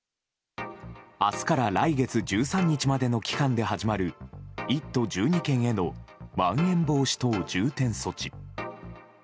明日から来月１３日までの期間で始まる１都１２県へのまん延防止等重点措置。